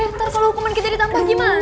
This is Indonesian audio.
ntar kalo hukuman kita ditampak gimana